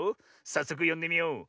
さっそくよんでみよう。